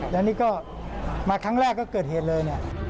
และนี่ก็มาครั้งแรกก็เกิดเหตุเลย